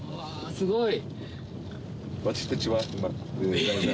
すごい。